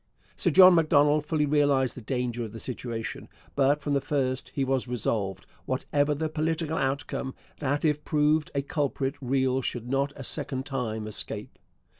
Sir John Macdonald fully realized the danger of the situation, but from the first he was resolved, whatever the political outcome, that if proved a culprit Riel should not a second time escape.